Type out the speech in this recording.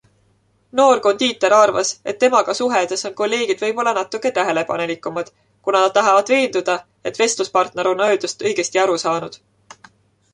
Noor kondiiter arvas, et temaga suheldes on kolleegid võibolla natuke tähelepanelikumad, kuna nad tahavad veenduda, et vestluspartner on öeldust õigesti aru saanud.